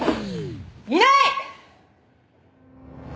いない！